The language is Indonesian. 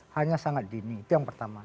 hanya sangat dini itu yang pertama